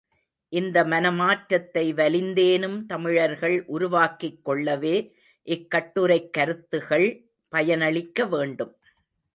இந்த மனமாற்றத்தை வலிந்தேனும் தமிழர்கள் உருவாக்கிக் கொள்ளவே இக்கட்டுரைக் கருத்துகள் பயனளிக்க வேண்டும்.